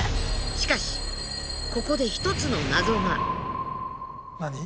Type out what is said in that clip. しかしここで１つの謎が。